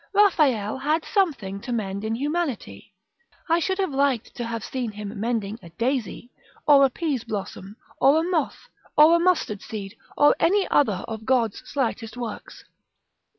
Raffaelle had something to mend in Humanity: I should have liked to have seen him mending a daisy! or a pease blossom, or a moth, or a mustard seed, or any other of God's slightest works.